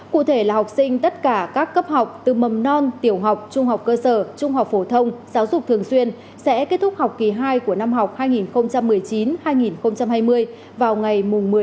cụ thể là học sinh tất cả các cấp học từ mầm non tiểu học trung học cơ sở trung học phổ thông giáo dục thường xuyên sẽ kết thúc học kỳ hai của năm học hai nghìn một mươi chín hai nghìn hai mươi vào ngày một mươi một